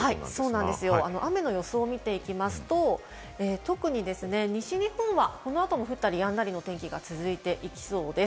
そうなんですよ、雨の予想を見ますと、特に西日本はこの後も降ったりやんだりの天気が続いていきそうです。